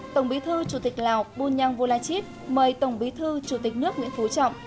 tổng bí thư chủ tịch lào bùn nhăng vô la chít mời tổng bí thư chủ tịch nước nguyễn phú trọng